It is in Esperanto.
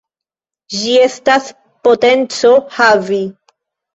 Ĝi estas potenco havi.